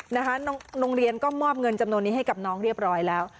โรงเรียนก็มอบเงินจำนวนนี้ให้กับน้องเรียบร้อยแล้ว